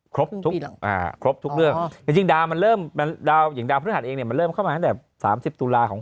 ครบครึ่งทุกเรื่องเดี๋ยวจริงดาวมาเริ่มเลิ่มมาจาก๓๐ตุลาของ